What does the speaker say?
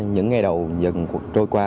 những ngày đầu dần trôi qua